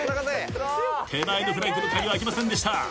手前のフラッグの鍵は開きませんでした。